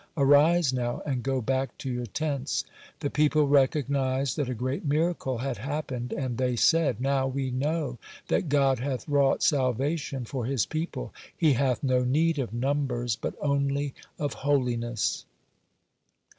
Arise now and go back to your tents." The people recognized that a great miracle had happened, and they said: "Now we know that God hath wrought salvation for His people; He hath no need of numbers, but only of holiness."